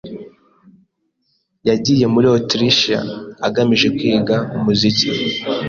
Yagiye muri Otirishiya agamije kwiga umuziki.